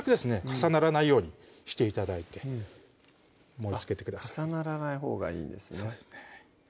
重ならないようにして頂いて盛りつけてください重ならないほうがいいんですね